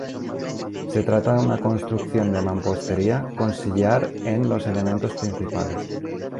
Se trata de una construcción de mampostería con sillar en los elementos principales.